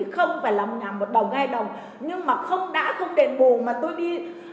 không phải là một nhà một đồng hai đồng nhưng mà không đã không đền bù mà tôi đi